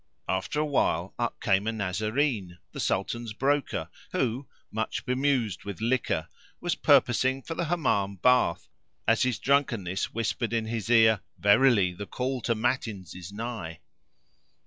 After a while up came a Nazarene,[FN#503] the Sultan's broker who, much bemused with liquor, was purposing for the Hammam bath as his drunkenness whispered in his ear, "Verily the call to matins[FN#504] is nigh."